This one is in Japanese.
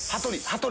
「羽鳥」！